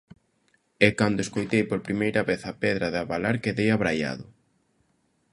E cando escoitei por primeira vez a pedra de abalar quedei abraiado.